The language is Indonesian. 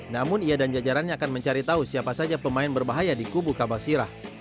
namun ia dan jajarannya akan mencari tahu siapa saja pemain berbahaya di kubu kabasirah